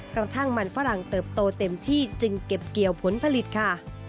กระทั่งมันฝรั่งเติบโตเต็มที่จึงเก็บเกี่ยวผลผลิตค่ะ